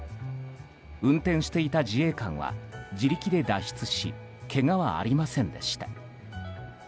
運転していた自衛官は自力で脱出しけがはありませんでした。